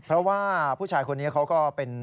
เพราะว่าผู้ชายคนนี้เขาก็เป็น